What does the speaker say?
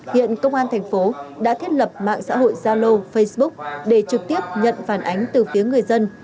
hiện công an thành phố đã thiết lập mạng xã hội zalo facebook để trực tiếp nhận phản ánh từ phía người dân